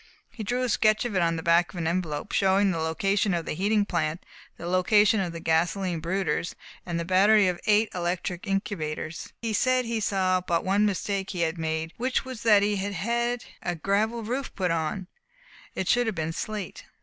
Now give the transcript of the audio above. He drew a sketch of it on the back of an envelope, showing the location of the heating plant, the location of the gasoline brooders, and the battery of eight electric incubators. He said he saw but one mistake he had made, which was that he had had a gravel roof put on. It should have been slate.